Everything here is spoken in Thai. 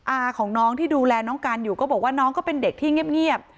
อาของน้องที่ดูแลน้องกันอยู่ก็บอกว่าน้องก็เป็นเด็กที่เงียบ